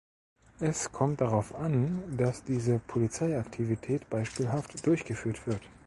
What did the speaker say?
Es kommt darauf an, dass diese Polizeiaktivität beispielhaft durchgeführt wird.